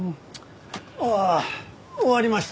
ああ終わりました？